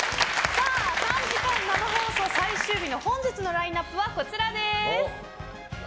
３時間生放送最終日の本日のラインアップはこちらです。